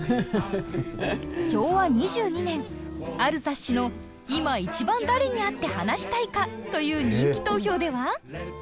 昭和２２年ある雑誌の「今一番誰に会って話したいか？」という人気投票では。